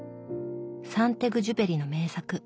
サン＝テグジュペリの名作